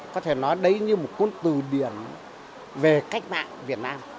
có thể nói đấy như một cuốn từ điển về cách mạng việt nam